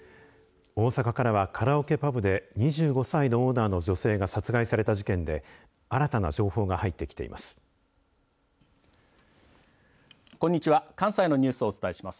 大阪からは、カラオケパブで２５歳のオーナーの女性が殺害された事件で新たな情報が入ってきています。